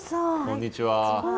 こんにちは。